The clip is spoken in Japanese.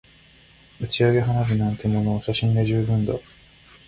打ち上げ花火なんてものは写真で十分だ